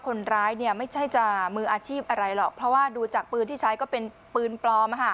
คนร้ายเนี่ยไม่ใช่จะมืออาชีพอะไรหรอกเพราะว่าดูจากปืนที่ใช้ก็เป็นปืนปลอม